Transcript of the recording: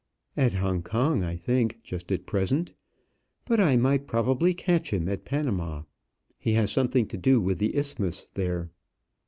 "At Hong Kong, I think, just at present; but I might probably catch him at Panama; he has something to do with the isthmus there."